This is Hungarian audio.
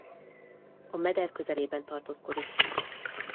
A meder közelében tartózkodik.